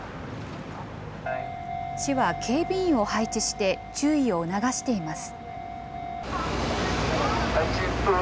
市は警備員を配置して注意を促しています。